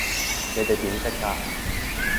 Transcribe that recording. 你哋點識㗎？